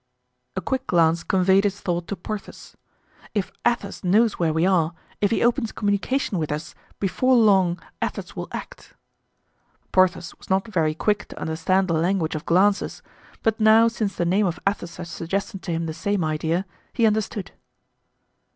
A quick glance conveyed his thought to Porthos: "If Athos knows where we are, if he opens communication with us, before long Athos will act." Porthos was not very quick to understand the language of glances, but now since the name of Athos had suggested to him the same idea, he understood.